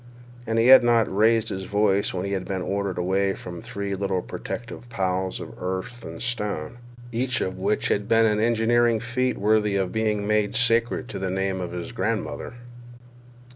And he had not raised his voice when he had been ordered away from three little protective piles of earth and stone, each of which had been an engineering feat worthy of being made sacred to the name of his grandmother.